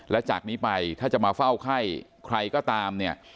และจากนี้ไปถ้าจะมาเฝ้าไข้ใครก็ตามเนี่ย